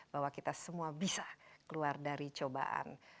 bahwa kita semua bisa keluar dari cobaan